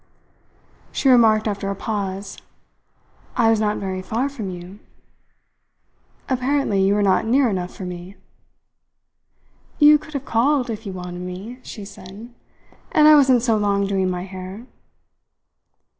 She remarked after a pause: "I was not very far from you." "Apparently you were not near enough for me." "You could have called if you wanted me," she said. "And I wasn't so long doing my hair."